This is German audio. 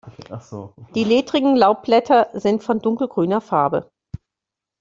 Die ledrigen Laubblätter sind von dunkelgrüner Farbe.